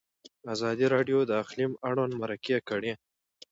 ازادي راډیو د اقلیم اړوند مرکې کړي.